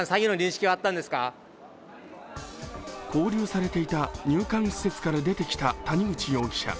勾留されていた入管施設から出てきた谷口容疑者。